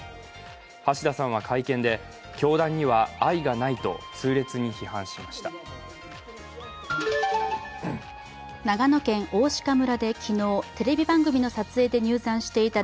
橋田さんは会見で、教団には愛が無いと、痛烈に批判しました。